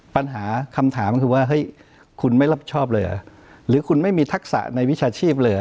ปัญหาคำถามคือว่าเฮ้ยคุณไม่รับชอบเลยเหรอหรือคุณไม่มีทักษะในวิชาชีพเลย